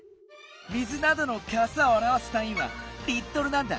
水などのかさをあらわすたんいは「リットル」なんだ。